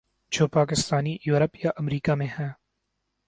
جو پاکستانی یورپ یا امریکا میں ہیں۔